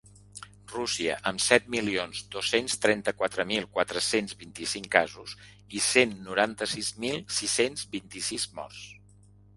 Rússia, amb set milions dos-cents trenta-quatre mil quatre-cents vint-i-cinc casos i cent noranta-sis mil sis-cents vint-i-sis morts.